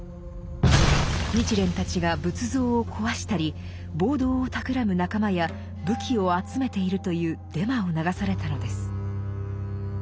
日蓮たちが仏像を壊したり暴動をたくらむ仲間や武器を集めているというデマを流されたのです。